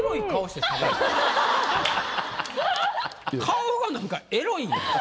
顔がなんかエロいんよ。